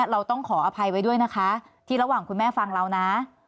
เราต้องขออภัยไว้ด้วยนะคะที่ระหว่างคุณแม่ฟังเรานะ